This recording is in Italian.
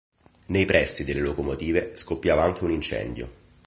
Nei pressi delle locomotive scoppiava anche un incendio.